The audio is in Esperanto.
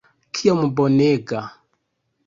Kiom bonega!